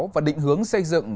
và định hướng xây dựng